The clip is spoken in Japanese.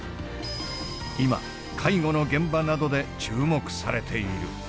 今介護の現場などで注目されている。